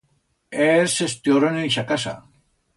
Ers s'estioren en ixa casa.